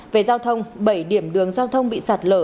về giao thông bảy điểm đường giao thông bị sạt lở